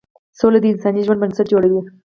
سوله د انساني ژوند بنسټ جوړوي.